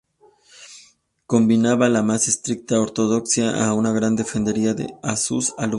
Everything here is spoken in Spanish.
Combinaba la más estricta ortodoxia con una gran deferencia a sus alumnos.